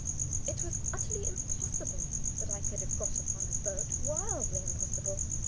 It was utterly impossible that I could have got upon a boat wildly impossible.